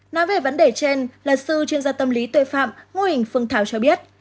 nói về vấn đề trên là sư chuyên gia tâm lý tội phạm ngô hình phương thảo cho biết